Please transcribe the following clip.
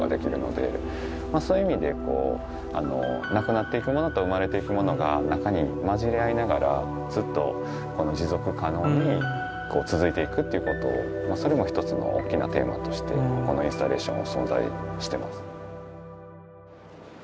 そういう意味でなくなっていくものと生まれていくものが中に混じり合いながらずっと持続可能に続いていくっていうことをそれも一つの大きなテーマとしてこのインスタレーションは存在してます。